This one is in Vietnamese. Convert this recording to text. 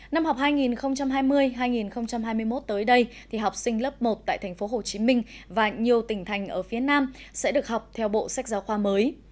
năm học hai nghìn hai mươi hai nghìn hai mươi một tới đây thì học sinh lớp một tại tp hcm và nhiều tỉnh thành ở phía nam sẽ được học theo bộ sách giáo khoa mới